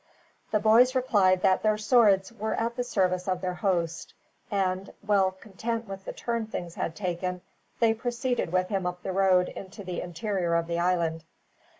The boys replied that their swords were at the service of their host; and, well content with the turn things had taken, they proceeded with him up the road into the interior of the island.